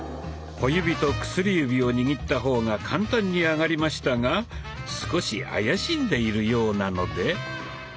小指と薬指を握った方が簡単に上がりましたが少し怪しんでいるようなので。